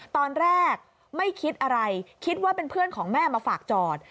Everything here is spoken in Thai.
ตอนแรกไม่คิดอะไรคิดว่าเป็นเพื่อนของแม่มาฝากจอด